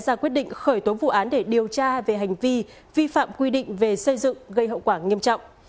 cơ quan cảnh sát điều tra công an tỉnh đồng nai đã ra quyết định khởi tố vụ án để điều tra về hành vi vi phạm quy định về xây dựng gây hậu quả nghiêm trọng